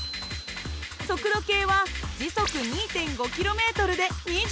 速度計は時速２．５ｋｍで２５点。